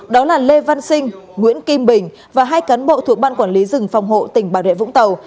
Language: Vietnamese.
đó là lê văn sinh nguyễn kim bình và hai cán bộ thuộc ban quản lý rừng phòng hộ tỉnh bà rệ vũng tàu